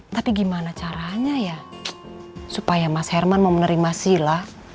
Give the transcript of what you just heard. tapi gimana caranya ya supaya mas herman mau menerima sila